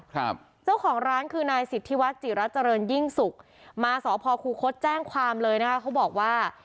ครับเจ้าของร้านคือนายสิทธิวัฒนจิรัตเจริญยิ่งสุขมาสพคูคศแจ้งความเลยนะคะเขาบอกว่า